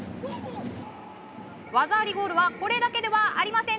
技ありゴールはこれだけではありません。